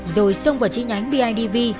rồi xông vào chiếc nhánh bidv